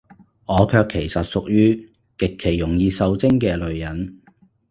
我卻其實屬於，極其容易受精嘅女人